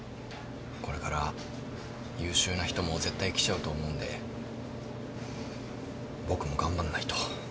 これから優秀な人も絶対来ちゃうと思うんで僕も頑張んないと。